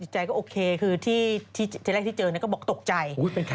ใจก็โอเคคือที่แรกที่เจอก็บอกตกใจ